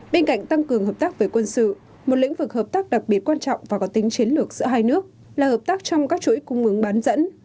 bên cạnh tăng cường hợp tác về quân sự một lĩnh vực hợp tác đặc biệt quan trọng và có tính chiến lược giữa hai nước là hợp tác trong các chuỗi cung ứng bán dẫn